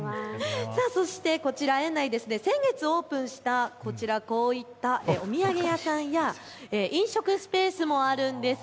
そしてこちら、園内、先月オープンしたこういったお土産屋さんや飲食スペースもあるんです。